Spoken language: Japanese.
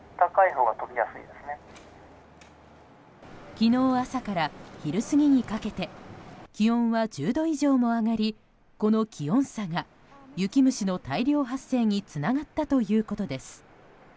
昨日朝から昼過ぎにかけて気温は１０度以上も上がりこの気温差が雪虫の大量発生につながったということです。